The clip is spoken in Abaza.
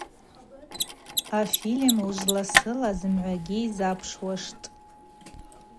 Афильм уыжвласыла зымгӏвагьи запшуаштӏ.